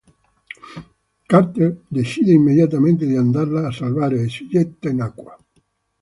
Carter decide immediatamente di andarla a salvare e si getta in acqua.